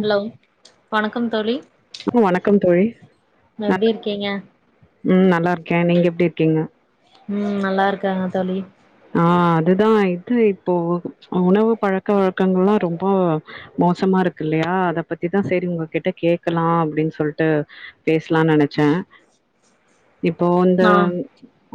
hello வணக்கம் தோழி ம் வணக்கம் தோழி நல் எப்டி இருக்கீங்க ம் நல்லா இருக்கே நீங்க எப்டி இருக்கீங்க ம் நல்லா இருக்கேங்க தோழி ஆ அதுதா இது இப்போ உணவு பழக்க வழக்கங்கள் எல்லா ரொம்போ மோசமா இருக்கு இல்லையா அத பத்திதா செரி உங்ககிட்ட கேட்கலா அப்டின்னு சொல்லிட்டு பேசலான் நெனச்சே இப்போ வந்த ஆ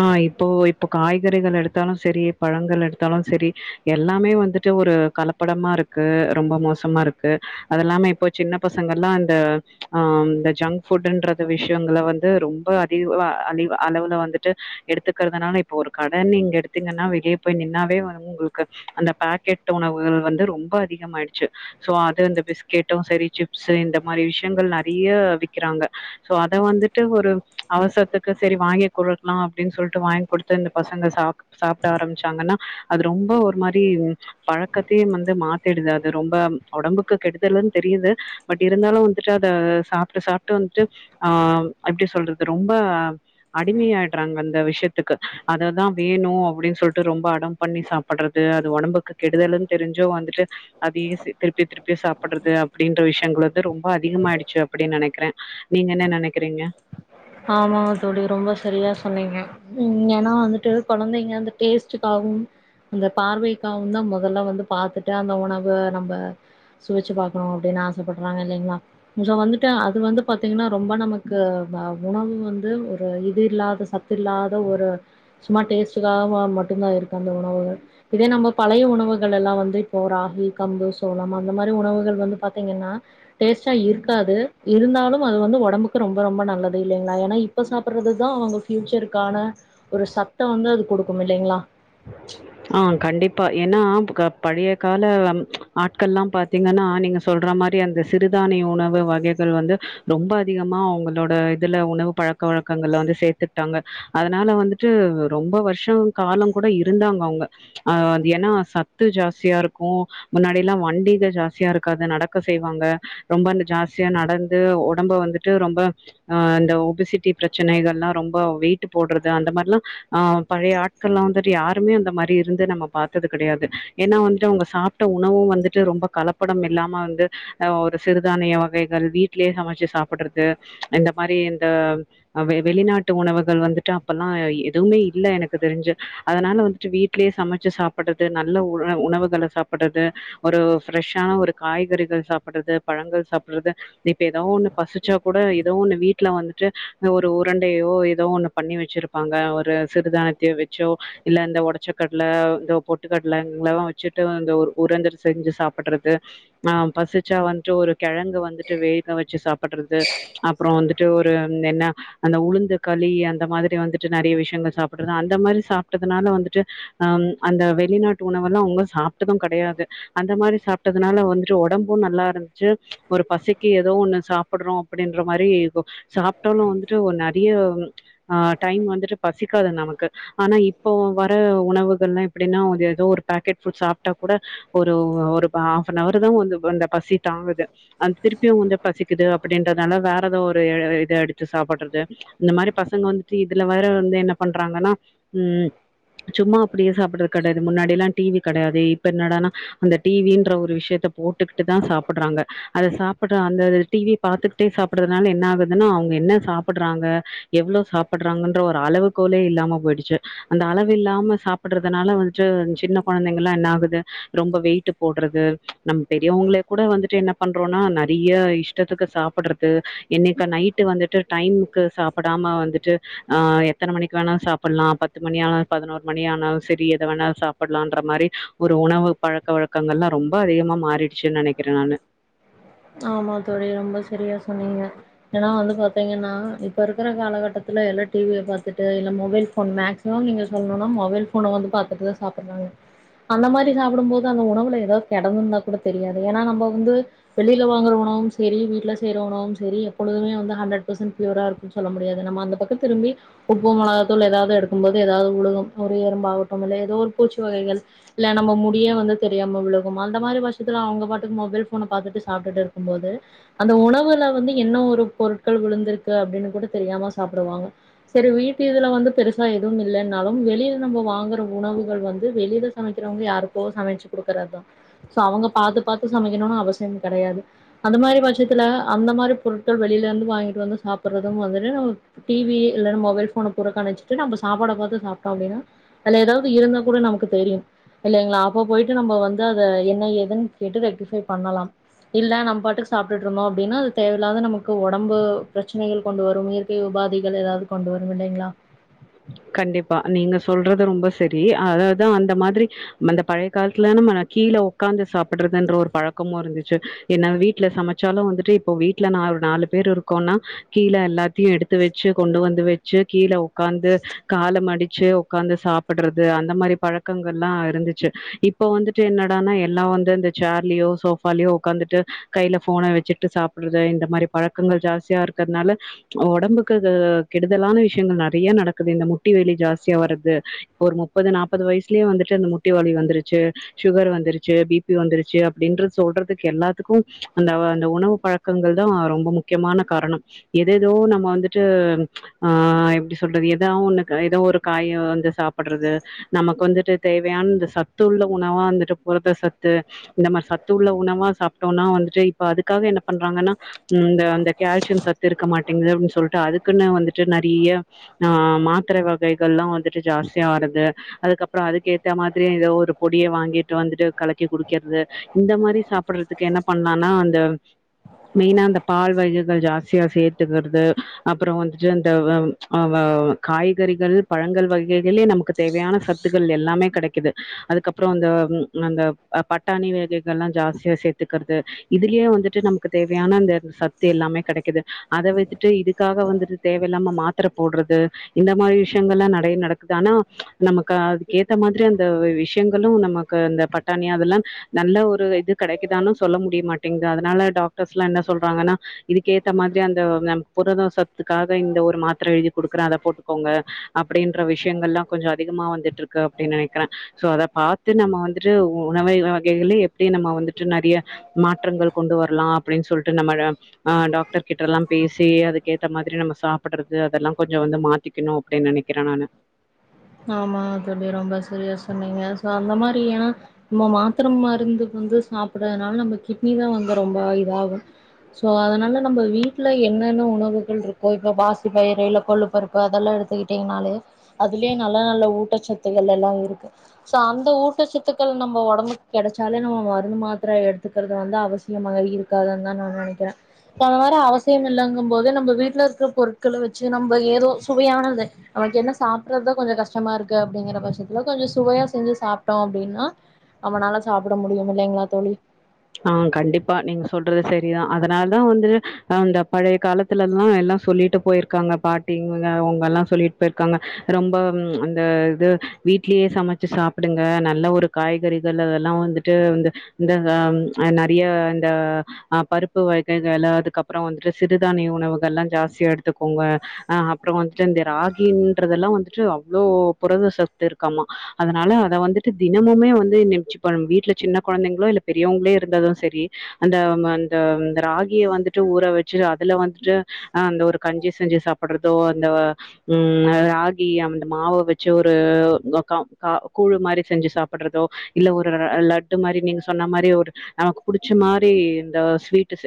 ஆ இப்போ இப்போ காய்கறிகள் எடுத் தாலு செரி பழங்கள் எடுத்தாலு செரி எல்லாமே வந்துட்டு ஒரு கலப்படமா இருக் க்கு ரொம்ப மோசமா இருக்கு அது இல்லாம இப்போ சின்ன பசங்கல்லா அந்த ஆ இந்த ஜங்க் ஃபுட்டுன்ற விஷயங்கள வந்து ரொம்ப அதி அ அளவுல வந்துட்டு எடுத் த்துக்குறதுனால இப்போ ஒரு கடன் நீங்க எடு த்தீங்கன்னா வெளிய போய் நின்னாவே வந்து உங்களுக்கு அந்த பேக்கெட் உணவு வந்து ரொம்ப அதிகமாயிடுச்சு சோ அது இந்த பிஸ்கெட்டு சேரி சிப்ஸு இந்த மாரி விஷயங்கள் நறைய விக்கிறாங்க சோ அத வந்துட்டு ஒரு அவசரத்துக்கு சரி வாங்கி குடுக்கலா அப்டின்னு சொல்லிட்டு வாங்கி குடுத்து இந்த பசங்க சாப் சாப்ட ஆரம்பிச்சாங்கன்னா அது ரொம்ப ஒரு மாரி பழக்கத்தையே வந்து மாத்திடுது அது ரொம்ப உடம்புக்கு கெடுதலுன் தெரிது பட் இருந்தாலு வந்துட்டு அத சாப்ட்டு சாப்ட்டு வந்துட்டு ஆ எப்டி சொல்றது ரொம்ப அடிமையாய்ட்றாங்க அந்த விஷயத்துக்கு அததா வேணு அப்டின் சொல்ட்டு ரொம்ப அடம் பண்ணி சாப்பட்றது அது ஒடம்புக்கு கெடுதலுன் தெரிஞ்சு வந்துட்டு அதயே திருப்பி திருப்பி சாப்பட்றது அப்டின்ற விஷயங்கள வந்து ரொம்ப அதிகமாய்டுச்சு அப்டின் நனைக்கிறே நீங்க என்ன நனைக்கிறீங்க ஆமா தோழி ரொம்ப சரியா சொன்னீங்க ம் எனா வந்துட்டு கொழந்தைங்க அந்த டேஸ்டுக்காகு அந்த பார்வைக்காவுதா மொதல்ல வந்து பாத்துட்டு அந்த உணவு நம்ப சுவச்சு பாக்கணு அப்டின்னு ஆசப்பட்றாங்க இல்லைங்ளா கொஞ்சோ வந்துட்டு அது வந்து பாத்தீங்கன்னா ரொம்ப நமக்கு ப உணவு வந்து ஒரு இது இல்லாத சத்து இல்லாத ஒரு சும்மா டேஸ்டுக்காக மட்டுதா இருக்கு அந்த உணவுகள் இதே நம்ம பழைய உணவுகள்லலா வந்து இப்போ ராகி கம்பு சோளம் அந்த மாரி உணவுகள் வந்து பாத்தீங்கன்னா டேஸ்ட்டா இருக்காது இருந்தாலும் அது வந்து ஒடம்புக்கு ரொம்ப ரொம்ப நல்லது இல்லைங்ளா எனா இப்ப சாப்பட்றதுதா அவங்க ஃபியூச்சருக்கான ஒரு சத்தோ வந்து அது கொடுக்கு இல்லைங்களா ஆ கண்டிப்பா எனா பழைய கால ஆட்கள்ளா பாத்தீங்கன்னா நீங்க சொல்ற மாரி அந்த சிறுதானிய உணவு வகைகள் வந்து ரொம்ப அதிகமா அவுங்களோட இதுல உணவு பழக் வழக்கங்கள்ல வந்து சேத்துக்டாங்க அதனால வந்துட்டு ரொம்ப வர்ஷோ காலோகூட இருந்தாங் அவுங்க அ அது எனா சத்து ஜாஸ்தியா இருக்கு முன்னாடிலா வண்டிக ஜாஸ்தியா இருக்காது நடக்க செய்வாங்க ரொம்ப அந்த ஜாஸ்தியா நடந்து ஒடம்ப வந்துட்டு ரொம்ப அ இந்த ஒபிசிட்டி ப்ரச்சனைகள்லா ரொம்ப வெயிட்டு போட்றது அந்த மாரிலா ஆ பழைய ஆட் இப்பலா வந்துட்டு யாருமே அந்த மாரி இருந்து நம்ம பாத்தது கடையாது எனா வந்துட்டு அவுங்க சாப்ட்ட உணவு வந்துட்டு ரொம்ப கலப்படம் இல்லாம வந்து ஒரு சிறுதானிய வகைகள் வீட்லயே சமச்சு சாப்பட்றது இந்த மாரி இந்த வெ வெளிநாட்டு உணவுகள் வந்துட்டு அப்பல்லா எதுவுமே இல்ல எனக்கு தெரிஞ்சு அதனால வந்துட்டு வீட் வீட்லயே சமச்சு சாப்பட்றது நல்ல உணவுகள சாப்பட்றது ஒரு ப்ரெஷ்ஷான ஒரு காய்கறிகள் சாப்பட்றது பழங்கள் சாப்பட்றது இப்ப எதோ ஒன்னு பசிச்சாகூட எதோ ஒன்னு வீட்ல வந்துட்டு ஒரு உரண்டையோ எதோ ஒன்னு பண்ணி வெச்சிருப் பாங்க ஒரு சிறுதானியத்யோ வெச்சோ இல்ல இந்த ஒடச்ச கட்ல இந்த பொட்டுக்கட்ல இங்கல்லா வெச்சுட்டு இந்த ஒரு உரண்ட செஞ்சு சாப்பட்றது ஆ பசிச்சா வந்ட்டு ஒரு கெழங்கு வந்துட்டு வெக வெச்சு சாப்பட்றது அப்புறோ வந்ட்டு ஒரு என்ன அந்த உளுந்து களி அந்த மாதிரி வந்துட்டு நறைய விஷ்யங்கள் சாப்பட்றது அந்த மாரி சாப்பட்டதுனால வந்துட்டு அ அந்த வெளிநாட்டு உணவெல்லா அவுங்க சாப்ட்டது கெடையாது அந்த மாரி சாப்ட்டதுனால வந்துட்டு உடம்பு நல்லா இருந்ச்சு ஒரு பசிக்கு எதோ ஒன்னு சாப்பட்றோ அப்டின்ற மாரி இப்போ சாப்ட்டாலு வந்துட்டு ஒரு நறியா ஆ டைம் வந்துட்டு பசிக்காது நமக்கு ஆனா இப்போ வர உணவுகள்லா எப்டினா எதோ ஒரு பேக்கெட் ஃபுட் சாப்ட்டாகூட ஒரு ஒரு ஹாப் அன் அவர்தா வந்து அந்த பசி தாங்குது அந்த திருப்பியு வந்து பசிக்குது அப்படின்றதுல வேற எதோ ஒரு இத எடுத்து சாப்பட்றது இந்த மாரி பசங்க வந்துட்டு இதுல வேற வந்து என்ன பண்றாங்கனா ம் சும்மா அப்டியே சாப்பட்றது கடையாது முன்னாடிலா டி வி கடையாது இப்ப என்னடானா அந்த டிவின்ற ஒரு விஷ்யத்த போட்டுக் ட்டு தா சாப்புடாறாங்க அத சாப்புட்ற அந்த டி வி ய பாத்துக்கிட்டே சாப்பட்றதுனால என்ன ஆகுதுனா அவுங்க என்ன சாப்புட்றாங்க எவ்ளோ சாப்பட்றாங்கன்ற ஒரு அளவு கோலே இல்லாம போயிடுச்சி அந்த அளவு வு இல்லாம சாப்பட்றதுனால வந்துட்டு சின்ன கொழந்தைங்கல்லா என்ன ஆகுது ரொம்ப வெயிட் போட்றது நம்ம பெரியவங்களே கூட வந்துட்டு என்ன பண்றோனா நறைய இஷ்டத்துக்கு சாப்புட்றது என்னைக்கா நைட்டு வந்துட்டு டைமுக்கு சாப்புடாம வந்துட்டு ஆ எத்தன மணிக்கு வேணாலு சாப்பட்லா பத்து மணியானா பதினோரு மணி ஆனாலு செரி எத வேணாலு சாப்பட்லா இன்ற மாரி ஒரு உணவு பழக்க வழக் கங்கள்லா ரொம்ப அதிகமா மாறிடுச்சுன்னு நெனைக்கிறே நானு ஆமா தோழி ரொம்ப செரியா சொன்னீங்க ஏன்னா வந்து பாத்தீங்கன்னா இப்ப இருக்கற காலகட்டத்துல எல்லா டி வி ய பாத்துட்டு இல்ல மொபைல் ஃபோன் மேக்ஸ் மோ நீ சொல்னும்னா மொபைல் ஃபோன வந்து பாத்துட்டுதா சாப்புட்றாங்க அந்த மாரி சாப்புடும் போது அந்த உணவுல ஏதாது கெடந்துந்தா கூட தெரியாது ஏன்னா நம்ம வந்து வெளில வாங்கற உணவும் செரி வீட்ல செய்ற உணவும் செரி எப்பொழுதுமே வந்து ஹண்ட்ரட் பர்சென்ட் ப்யூர் இருக் குனு சொல்ல முடியாது நம்ம அந்த பக்கம் திரும்பி உப்பு மெளகதூள் ஏதாது எடுக்கும் போது ஏதாது உலுகும் ஒரு ஏறும்பா ஆகட்டும் இல்ல ஏதோ ஒரு பூச்சி வகைகள் இல்ல நம்ம முடியே வந்து தெரியாம விழுகு அந்த மாரி பட்ஷசத்துல அவுங்க பாட்டுக்கு மொபைல் ஃபோன பாத்துட்டு சாப்டுட்டு இருக்கும் போது அந்த உணவுல வந்து என்ன ஒரு பொருட்கள் விழுந்திருக்கு அப்டின்னு கூட தெரியாம சாப்புடுவாங்க செரி வீட்டு இதுல வந்து பெருசா எதுவும் இல்லன்னாலும் வெளில நம்ம வாங்குற உணவுகள் வந்து வெளில சமைக்கிறவங்க யாருக்கோ சமைச்சு குடுக்கறதா சோ அவுங்க பாத்து பாத்து சமைக்கணும்னு அவசியம் இல் கெடையாது அந்த மாரி பட்சத்துல அந்த மாரி பொருட் கள் வெளில இருந்து வாங்கிட்டு வந்து சாப்புட்றதும் வந்துட்டு நம்ம டி வி இல்ல மொபைல் ஃபோன புறக்கணிச்சி சிட்டு நம்ம சாப்பாட பாத்து சாப்டோ அப்டின்னா அதுல ஏதாது இருந்தா கூட நமக்கு தெரியு இல்லைங்களா அப்போ போயிட்டு நம்ம வந்து அத என்ன ஏதுன்னு கேட்டு ரெக்டிஃபை பண்ணலாம் இல்ல நம்ப பாட்டுக்கு சாப்டுட்டு இருந்தோ அப்டின்னா அது தேவையில்லாத நமக்கு ஒடம்பு பிரச்சனைகள் கொண்டு வரும் இயற்கை உபாதிகள் ஏதாது கொண்டு வரும் இல்லீங்ளா கண்டிப்பா நீங்க சொல்றது ரொம்ப செரி அதாது தா அந்த மாதிரி அந்த பழைய காலத்துல நாம்ம கீழ ஒக்காந்து சாப்புட்றதுன்ற ஒரு பழக்கமு இருந்துச்சி என்னா வீட்ல சமைச்சாலு வந்துட்டு இப்போ வீட்ல நா ஒரு நாலு பேர் இருக்கோனா கீழ எல்லாத்தையு எடுத்து வெச்சு கொண்டு வந்து வெச்சு கீழ ஒக்காந்து கால மடிச்சு ஒக்காந்து சாப்புட்றது அந்த மாரி பழக்கங்கள்லா இருந்துச்சு இப்ப வந்துட்டு என்னடானா எல்லா வந்து இந்த சேர்லயோ சோஃபாலயோ ஒக்காந்துட்டு கையில ஃபோன வெச்சுட்டு சாப் ற இந்த மாரி பழக்கங்கள் ஜாஸ்தியா இருக்கறனால ஒடம்புக்கு கெடுதலான விஷயங்கள் நறைய நடக்குது இன்னமு முட்டி வலி ஜாஸ்தியா வறது இப்ப ஒரு முப்பது நாற்பது வயசுலயே வந்துட்டு அந்த முட்டி வலி வந்துருச்சு சுகர் வந்துருச்சு பி பி வந்துருச்சு அப்டின்ற சொல்றதுக்கு எல்லாத்துக்கு அந்த அந்த உணவு பழக் பழக்கங்கள் தா ரொம்ப முக்கியமான காரணம் ஏதேதோ நம்ம வந்துட்டு ஆ எப்டி சொல்றது ஏதோ ஒன்னுக் ஏதோ ஒரு காய வந்து சாப்புட்றது நமக்கு வந்துட்டு தேவையான இந்த சத்துள்ள உணவா வந்துட்டு புரத சத்து இந்த மாரி சத்து உள்ள உணவா சாப்டோம்னா வந்துட்டு இப்ப அதுக்காக என்ன பண்றாங்கன்னா ம் இந்த அந்த கால்சியம் சத்து இருக்க மாட்டேங்குது அப்டின் சொல்டு அதுக்குன்னு வந்துட்டு நறைய ஆ மாத்திர வகைகள்லா வந்துட்டு ஜாஸ்தியா வர்றது அதுக்கப்பறோ அதுக்கு ஏத்த மாதிரியே ஏதோ ஒரு பொடிய வாங்கிட்டு வந்துட்டு கலக்கி குடிக்கறது இந்த மாரி சாப் சாப்புட்றதுக்கு என்ன பண்ணலான்னா அந்த மெயினா அந்த பால் வகைகள் ஜாஸ்தியா சேத்துக்கறது அப்றோ வந்துட்டு அந்த ஆ காய்கறிகள் பழங்கள் வகைகள்லயே நமக்கு தேவையான சத்துக்கள் எல்லாமே கெடைக்குது அதுக்கப்றோ அந்த அந்த பட்டாணி வகைகள் எல்லா ஜாஸ்தியா சேத்துக்கறது இதுலயே வந்துட்டு நமக்கு தேவையான அந்த சத்து எல்லாமே கெடைக்குது அத வித்துட்டு இதுக்காக வந்துட்டு தேவ இல்லாம மாத்தர போடுறது இந்த மாரி விஷ்யங்கள் எல்லா நெறைய நடக்குது ஆனா நமக்கு அதுக்க ஏத்த மாரி அந்த விஷ்யங்களு நமக்கு அந்த பட்டாணி அதெல்லா நல்ல ஒரு இது கெடைக்குதானு சொல்ல முடியமாட்டேங்குது அதனால டாக்டர்ஸ் எல்லா என்ன சொல்றாங்கனா இதுக்கேத்த மாரி அந்த நம் புரதசத்துக்காக இந்த ஒரு மாத்திர எழுதி குடுக்கற அத போட்டு க்கோங்க அப்டின்ற விஷ்யங்கள் எல்லா கொஞ்சோ அதிகமா வந்துட்டு இருக்கு அப்டின்னு நெனைக்கிற சோ அத பாத்து நம்ம வந்துட்டு உணவை வகைகள்ல எப்டி நம்ம வந்துட்டு நெறைய மாற்றங்கள் கொண்டு வரலா அப்டின்னு சொல்ட்டு நம்ம ஆ டாக்டர் கிட்ட எல்லாம் பேசி அதுக்கு ஏத்த மாரி நம்ம சாப்பிடறது அதெல்லா கொஞ்சோ வந்து மா த்திக்கனு அப்டினு நெனைக்கிற நானு ஆமாங் தோழி ரொம்ப சரிய சொன்னீங்க சோ அந்த மாரி ஏனா நம்ம மாத்திர மருந்துக்கு வந்து சாப்டறதுனால நம்ம கிட்னிதா வந்து ரொம்ப இதாகு சோ அதனால நம்ம வீட்ல என்னென்ன உணவுகள் இருக்கோ இப்ப பாசி பயிர்கள்ல கொள்ளுப்பரு ப்பு அதெல்லா எடுத்துக்கிட்டிங்னாலே இதிலேயே நல்ல நல்ல ஊட்டச்சத்துகள் எல்லா இருக்கு ஸோ அந்த ஊட்டச்சத்துக்கள் நம்ம ஒடம்புக்கு கெடைச்சாலே நம்ம மருந்து மாத்திர எடுத்துக்கறது வந்து அவசி யமாக இருக்காதுன்னுதா நா நெனைக்கிற போன வாரோ அவசியம் இல்லங்கும்போது நம்ம வீட்ல இருக்கிற பொருட்கள வெச்சு நம்ம ஏதோ சுவையானது நமக்கு என்ன சாப்பர்றதா கொஞ்சோ கஷ்டமாருக்கு அப்டிங்கிற பட்சத்துல கொஞ்சோ சுவையா செஞ்சு சாப்ட்டோ அப்டின்னா நம்மனால சாப்ட முடியும் இல்லைங்ளா தோழி ஆ கண்டிப்பா நீங்க சொல்றது சரிதான் அதனாலதா வந்து அந்த பழைய கால த்துலதா எல்லா சொல்லிட்டு போயிருக்காங்க பாட்டிங்க அவங்க எல்லா சொல்லிட்டு போயிருக்காங்க ரொம்ப அந்த இது வீட்லயே சமச்சு சாப்டுங்க நல்ல ஒரு காய்கறிகள் அதெல்லா வந்துட்டு வந்து இந்த நெறைய இந்த ஆ பருப்பு வகைகள் அதுக்கப்றோ வந்துட்டு சிறுதானிய உணவுகள் எல்லா ஜாஸ்தியா எடுத்துக்கோங்க அ அப்றோ வந்துட்டு இந்த ராகின்றதல்லா வந்துட்டு அவ்ளோ புரதசத்து இரு க்காமா அதனால அத வந்துட்டு தி னமுமே வந்து [unintelligible] வீட்ல சின்ன கொழந்தைங்ளோ இல்ல பெரியவங்ளே இருந்தாலு சரி அந்த அந்த ராகிய வந்துட்டு ஊற வெச்சு அதுல வந்துட்டு ஆ அந்த ஒரு கஞ்சி செஞ்சு சாப்பிடறதோ அந்த ம் ராகி அந்த மாவ வெச்சு ஒரு க க கூழு மாரி செஞ்சு சா ப்பிடறதோ இல்ல ஒரு லட்டு மாரி நீங்க சொன்ன மாரி ஒரு நமக்கு புடிச்ச மாரி இந்த ஸ்வீட் செ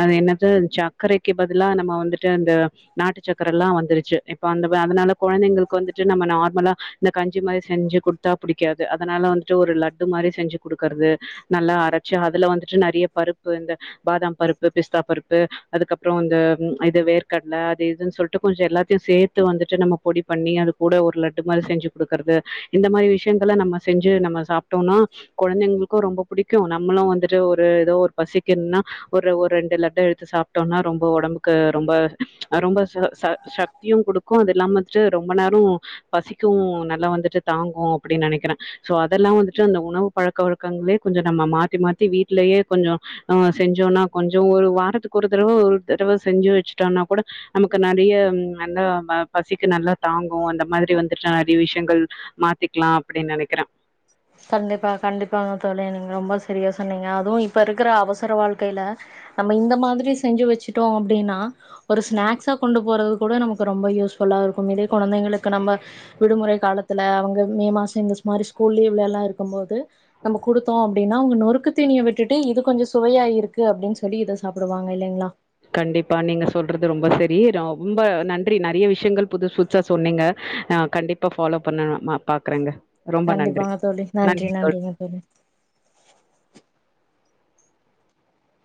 அது என்னது அந்த சக்கரைக்கு பதிலா நம்ம வந்துட்டு அந்த நாட்டுச்சக்கர எல்லா வந்துருச்சு இப்ப அந்த அதனால கொழந்தைங்களுக்கு வந்துட்டு நம்ம நார்மலா இந்த கஞ்சி மாரி செஞ்சு குடுத்தா புடிக்காது அதனால வந்துட்டு ஒரு லட்டு மாரி செஞ்சு குடுக்கறது நல்லா அரச்சு அதுல வந்துட்டு நெறைய பருப்பு இந்த பாதாம் பருப்பு பிஸ்தா பருப்பு அதுக்கப்றோ இந்த இது வேர்கடலை அது இதுன்னு சொல்ட்டு கொஞ்சோ எல்லாத்தையு சேத்து வந்துட்டு நம்ம பொடி பண்ணி அது கூட ஒரு லட்டு மாரி செஞ்சு குடுக்கறது இந்த மாரி விஷ்யங்கல நம்ம செஞ்சு நம்ம சாப்ட்டோனா கொழந்தைங்ளுக்கு ரொம்ப புடிக்கு நம்மளு வந்துட்டு ஒரு எதோ ஒரு பசிக்குன்னா ஒரு ஒரு ரெண்டு லட்ட எடுத்து சா ட்டோனா ரொம்ப ஒடம்புக்கு ரொம்ப ரொம்ப ச ஷக்தியு குடுக்கு அதில்லாம வந்துட்டு ரொம்ப நேரோ பசிக்கு நல்லா வந்துட்டு தாங்கு அப்டின் நெனைக்குறே சோ அதெல்லா வந்துட்டு அந்த உணவு பழக்க வழக்கங்களே கொஞ்சொ நம்ம மாத்தி மாத்தி வீட்லயே கொஞ்சோ அ செஞ்சோனா கொஞ்சோ ஒரு வாரத்துக்கு ஒரு தடவ ஒரு தடவ செஞ்சு வச்சுட்டோனா கூட நமக்கு நெறைய அந்த ப பசிக்கு நல்லா தாங்கு அந்த மாதிரி வந்துட்டு நெறைய விஷயங்கள் மாத்திக்கலா அப்டின்னு நெனைக்கிறே கண்டிப்பா கண்டிப்பாக தோழி நீங்க ரொம்ப சரியாக சொன்னீங்க அதுவு இப்போ இருக்கிற அவசர வாழ்க்கைல நம்ம இந்த மாதிரி செஞ்சு வச்சுட்டோ அப்டின்னா ஒரு ஸ்நாக்ஸா கொண்டு போறது கூட நமக்கு ரொம்ப யூஸ்ஃபுல்லா இருக்கும் இதே கொழந்தைங்களுக்கு நம்ம விடுமுறை காலத்துல அவங்க மே மாசோ இந்த மாரி ஸ்கூல் லீவ்லல்லா இருக்கும் போது நம்ம குடுத் தோ அப்டினா அவங்க நொறுக்கு தீனிய விட்டுட்டு இது கொஞ்சொ சுவையா இருக்கு அப்டின்னு சொல்லி இத சாப்புடுவாங்க இல்லைங்களா கண்டிப்பா நீங்க சொல்றது ரொம்ப சரி ரொம்ப நன்றி நெறைய விஷயங்கள் புதுசு புதுசா சொன்னீங்க அ கண்டிப்பா ஃபாலோ பண்ண ம பாக்குறேங்க ரொம்ப நன்றி கண்டிப்பாங்க தோழி நன்றி நன்றிங்க தோழி